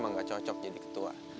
emang gak cocok jadi ketua